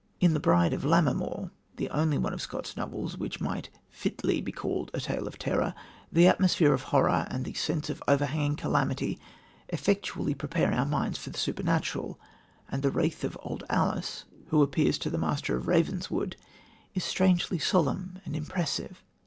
In The Bride of Lammermoor the only one of Scott's novels which might fitly be called a "tale of terror" the atmosphere of horror and the sense of overhanging calamity effectually prepare our minds for the supernatural, and the wraith of old Alice who appears to the master of Ravenswood is strangely solemn and impressive.